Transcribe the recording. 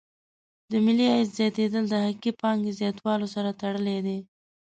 د ملي عاید زیاتېدل د حقیقي پانګې زیاتیدلو سره تړلې دي.